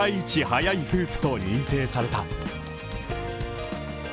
速い夫婦と認定された。